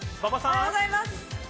おはようございます。